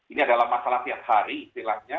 ini adalah masalah tiap hari istilahnya